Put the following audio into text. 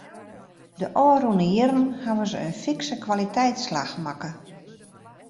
De ôfrûne jierren hawwe se in fikse kwaliteitsslach makke.